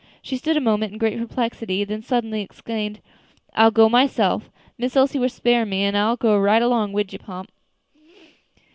She stood a moment in great perplexity, then suddenly exclaimed, "I'll go myself. Miss Elsie will spare me, an' I'll go right long wid you, Pomp."